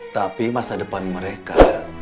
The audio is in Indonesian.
tapi masa depan mereka